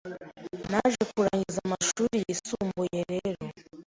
Naje kurangiza amashuri yisumbuye rero